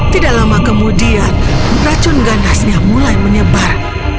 tidak lama kemudian racun ganasnya mulai menyebar